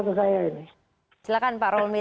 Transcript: atau saya ini silahkan pak romli